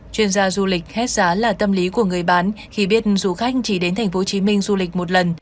chuyên gia du lịch hết giá là tâm lý của người bán khi biết du khách chỉ đến tp hcm du lịch một lần